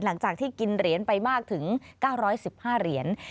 หลังจากที่กินเหรียญไปมากถึง๙๑๕เหรียญ